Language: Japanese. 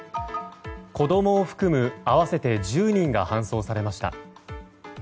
子供を含む合わせて１０人が搬送されました。